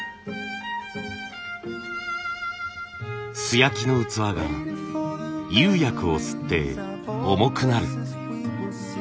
素焼きの器が釉薬を吸って重くなる。